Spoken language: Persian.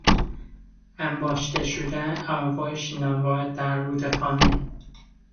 انباشته شدن الوار شناور در رودخانه